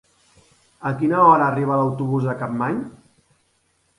A quina hora arriba l'autobús de Capmany?